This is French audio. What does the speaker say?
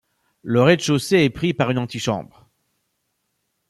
Le rez-de-chaussée est pris par une antichambre